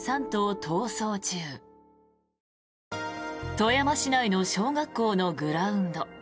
富山市内の小学校のグラウンド。